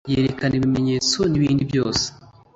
yerekana ibimenyetso n ibindi byose